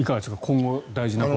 今後、大事なこと。